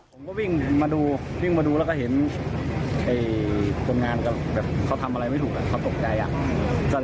ผมก็วิ่งมาดูวิ่งมาดูแล้วก็เห็นคนงานก็แบบเขาทำอะไรไม่ถูกเขาตกใจอ่ะ